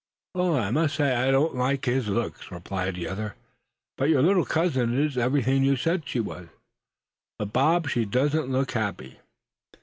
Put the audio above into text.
"I must say I don't just like his looks;" replied the other; "but your little cousin is everything you said she was. But Bob, she doesn't look happy!"